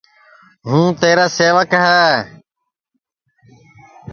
ہوں تیرا سیوک ہے